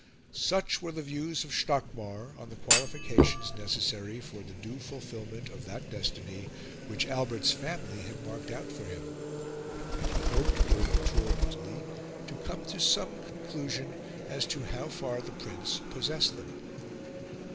Such were the views of Stockmar on the qualifications necessary for the due fulfilment of that destiny which Albert's family had marked out for him; and he hoped, during the tour in Italy, to come to some conclusion as to how far the prince possessed them.